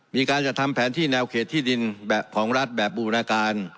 มีการจัดทำแผนที่แนวเขตที่ดินแบบของรัฐแบบบูรณาการ